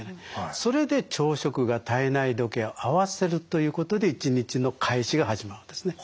それで朝食が体内時計を合わせるということで一日の開始が始まるんですね。